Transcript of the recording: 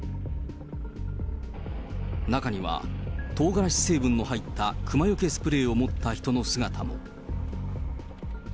中には、トウガラシ成分の入った熊よけスプレーを持った人の姿も。